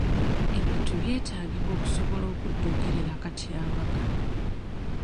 Ebintu byetaagibwa okusobora okudduukirira akatyabaga.